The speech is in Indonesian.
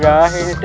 udah ini teh